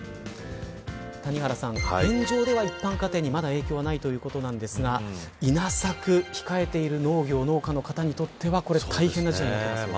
谷原さん、現状では一般家庭にまだ影響ないということですが稲作が控えている農業の農家の方にとっては大変な事態ですよね。